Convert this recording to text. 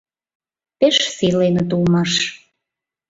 Пеш сийленыт улмаш.